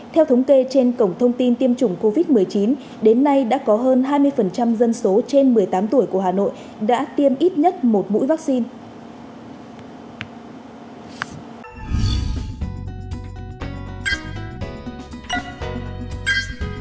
theo thống kê trên cổng thông tin tiêm chủng covid một mươi chín đến nay đã có hơn hai mươi dân số trên một mươi tám tuổi của hà nội đã tiêm ít nhất một mũi vaccine